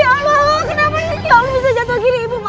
gemoy ya allah kenapa bisa jatuh gini ibu maaf ya